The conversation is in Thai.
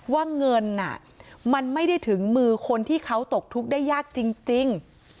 ว่าเงินมันไม่ได้ถึงมือคนที่เขาตกทุกข์ได้ยากจริง